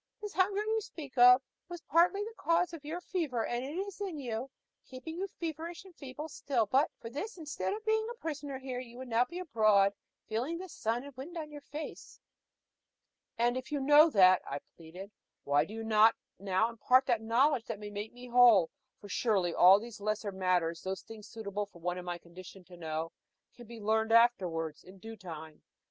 "This hunger you speak of was partly the cause of your fever, and it is in you, keeping you feverish and feeble still; but for this, instead of being a prisoner here, you would now be abroad, feeling the sun and wind on your face." "And if you know that," I pleaded, "why do you not now impart the knowledge that can make me whole? For surely, all those lesser matters those things suitable for one in my condition to know can be learned afterwards, in due time.